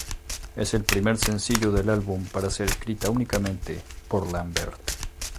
Es el primer sencillo del álbum para ser escrita únicamente por Lambert.